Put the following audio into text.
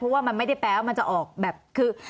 เพราะว่ามันไม่ได้แปลว่ามันจะออกแบบคือ